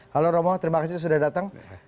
halo romo terima kasih sudah datang